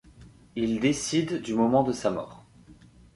Il décide du moment de sa mort.